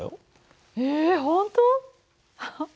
え本当？